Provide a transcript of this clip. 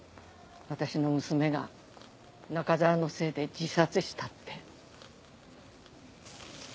私の娘が中沢のせいで自殺したって。